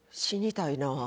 死にたいな。